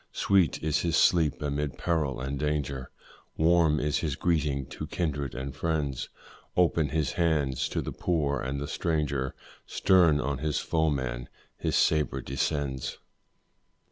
Sweet is his sleep amid peril and danger, Warm is his greeting to kindred and friends, Open his hand to the poor and the stranger, Stern on his foeman his sabre descends.